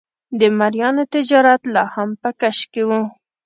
د مریانو تجارت لا هم په کش کې و.